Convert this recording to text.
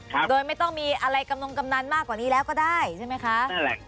โดยไม่ต้องมีอะไรกำนงกำนันมากกว่านี้แล้วก็ได้ใช่ไหมคะนั่นแหละ